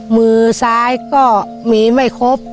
มือซ้ายก็มีไม่ครบ